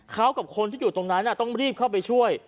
เขากับคนที่อยู่ตรงนั้นต้องรีบเข้าไปช่วย